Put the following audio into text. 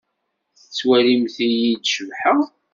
Tettwalim-iyi-d cebḥeɣ?